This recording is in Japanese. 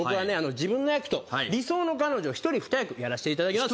自分の役と理想の彼女１人２役やらせていただきます